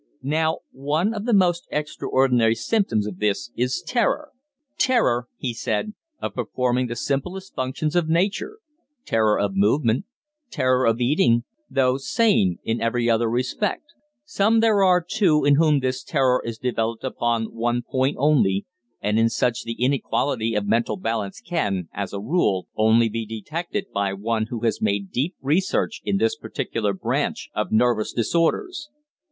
Now one of the most extraordinary symptoms of this is terror. Terror," he said, "of performing the simplest functions of nature; terror of movement, terror of eating though sane in every other respect. Some there are, too, in whom this terror is developed upon one point only, and in such the inequality of mental balance can, as a rule, only be detected by one who has made deep research in this particular branch of nervous disorders."